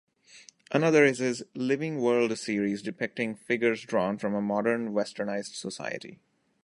Another is his "Living World" series, depicting figures drawn from a modern, westernized society.